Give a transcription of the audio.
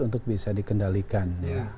untuk bisa dikendalikan